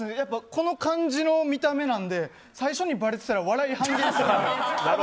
この感じの見た目なので最初にばれてたら笑い半減してたかなと。